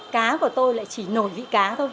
cá của tôi lại chỉ nổi vị cá thôi